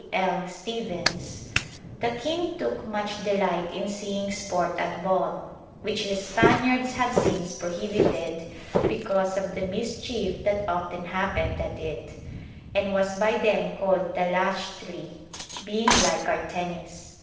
L. Stephens): "The King took much delight in seeing Sport at Ball, which the Spaniards have since prohibited, because of the mischief that often happened at it; and was by them called Tlachtli, being like our Tennis.